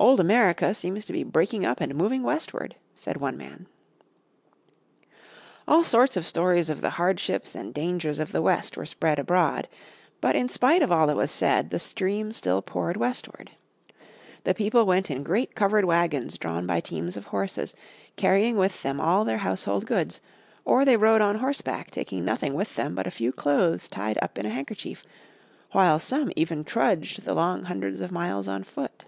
"Old America seems to be breaking up and moving westward," said one man. All sorts of stories of the hardships and dangers of the West were spread abroad. But in spite of all that was said the stream still poured westward. The people went in great covered wagons drawn by teams of horses, carrying with them all their household goods, or they rode on horseback taking nothing with them but a few clothes tied up in a handkerchief, while some even trudged the long hundreds of miles on foot.